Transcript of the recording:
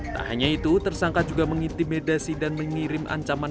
tak hanya itu tersangka juga mengintimidasi dan mengirim ancaman